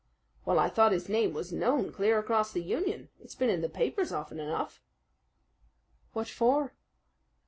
"Well, I thought his name was known clear across the country. It's been in the papers often enough." "What for?"